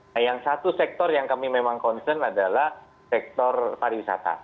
nah yang satu sektor yang kami memang concern adalah sektor pariwisata